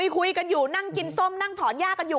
คุยกันอยู่นั่งกินส้มนั่งถอนยากกันอยู่